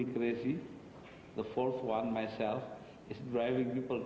yang keempat saya sendiri adalah orang gila menggerakkan orang